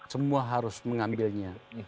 semua harus mengambilnya